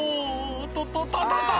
「ととととと！」